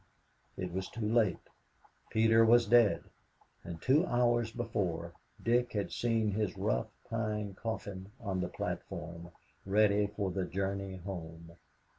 It was too late. Peter was dead, and, two hours before, Dick had seen his rough pine coffin on the platform, ready for the journey home.